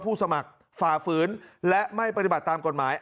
สมัครฝ่าฝืนและไม่ปฏิบัติตามกฎหมาย